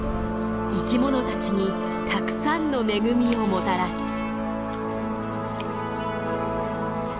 生きものたちにたくさんの恵みをもたらす。